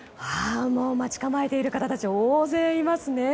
待ち構えている方たち大勢いますね。